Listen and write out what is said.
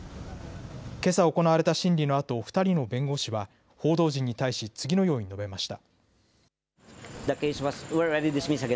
けさ行われた審理のあと２人の弁護士は報道陣に対し次のように述べました。